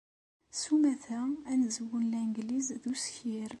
S umata, anezwu n Langliz d uskir.